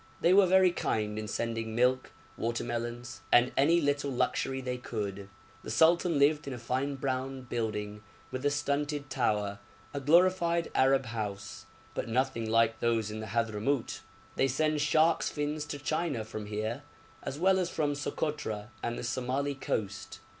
They were very kind in sending milk, watermelons, and any little luxury they could. The sultan lived in a fine brown building with a stunted tower, a glorified Arab house, but nothing like those in the Hadhramout. They send sharks' fins to China from here, as well as from Sokotra and the Somali coast.